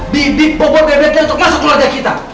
bibik bobor bebeknya untuk masuk keluarga kita